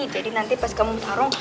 jadi nanti pas kamu mutarong